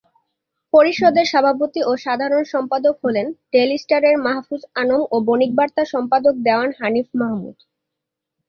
পরিষদের সভাপতি ও সাধারণ সম্পাদক হলেন ডেইলি স্টারের মাহফুজ আনাম ও বণিক বার্তা সম্পাদক দেওয়ান হানিফ মাহমুদ।